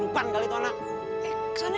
oh tangan aku